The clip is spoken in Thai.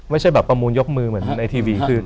ไม่ใช่แบบประมูลยกมือเหมือนในทีวีคือ